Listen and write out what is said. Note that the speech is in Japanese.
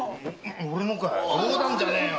俺のか冗談じゃねえよ。